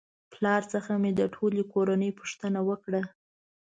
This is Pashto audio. پلار څخه مې د ټولې کورنۍ پوښتنه وکړه